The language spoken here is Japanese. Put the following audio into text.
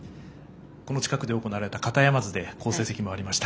この近くで行われた片山津で好成績もありました。